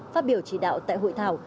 phát biểu chỉ đạo tại hội thảo